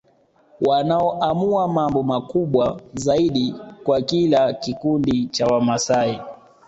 Wanaoamua mambo makubwa zaidi kwa kila kikundi cha Wamasai